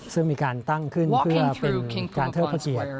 ซึ่งมีการตั้งขึ้นเพื่อเป็นการเทิดพระเกียรติ